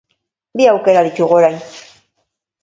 Bi aukera ditugu orain.